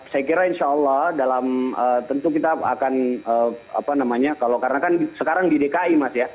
saya kira insya allah dalam tentu kita akan apa namanya kalau karena kan sekarang di dki mas ya